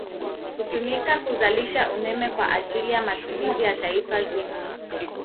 Hutumika kuzalisha umeme kwa ajili ya matumizi ya Taifa zima